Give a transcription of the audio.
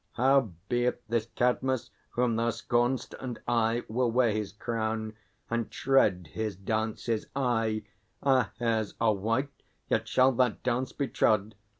Howbeit, this Cadmus whom thou scorn'st and I Will wear His crown, and tread His dances! Aye, Our hairs are white, yet shall that dance be trod!